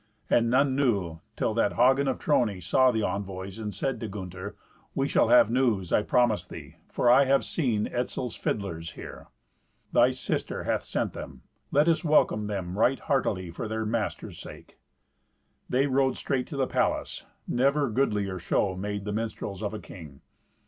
And none knew, till that Hagen of Trony saw the envoys, and said to Gunther, "We shall have news, I promise thee, for I have seen Etzel's fiddlers here. Thy sister hath sent them. Let us welcome them right heartily for their master's sake." They rode straight to the palace. Never goodlier show made the minstrels of a king.